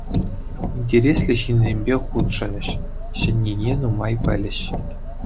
Интереслӗ ҫынсемпе хутшӑнӗҫ, ҫӗннине нумай пӗлӗҫ.